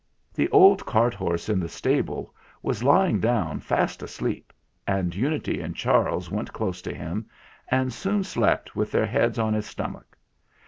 The old cart horse in the stable was lying i68 THE FLINT HEART down fast asleep, and Unity and Charles went close to him and soon slept with their heads on his stomach.